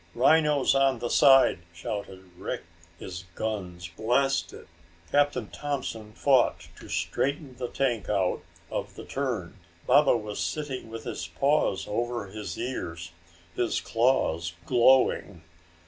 "Rhinos on the side!" shouted Rick. His guns blasted. Captain Thompson fought to straighten the tank out of the turn. Baba was sitting with his paws over his ears, his claws glowing.